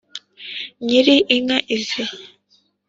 nyiri inka izi